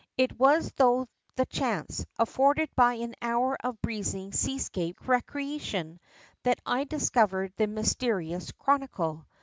It was thro' the chance, afforded by an hour of breezing sea scape recreation, that I discovered the mysterious chronicle.